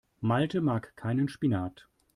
Malte mag keinen Spinat.